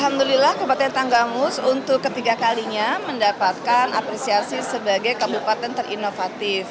alhamdulillah kabupaten tanggamus untuk ketiga kalinya mendapatkan apresiasi sebagai kabupaten terinovatif